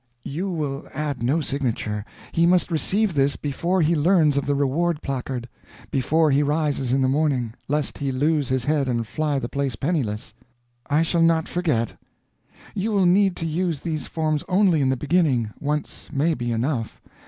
"You will add no signature. He must receive this before he learns of the reward placard before he rises in the morning lest he lose his head and fly the place penniless." "I shall not forget." "You will need to use these forms only in the beginning once may be enough.